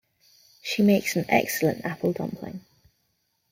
She makes an excellent apple dumpling.